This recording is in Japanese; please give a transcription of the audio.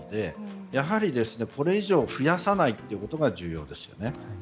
やはり、これ以上増やさないことが重要です。